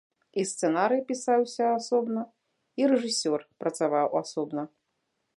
І сцэнарый пісаўся асобна, і рэжысёр працаваў асобна.